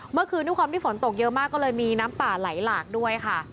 ด้วยความที่ฝนตกเยอะมากก็เลยมีน้ำป่าไหลหลากด้วยค่ะ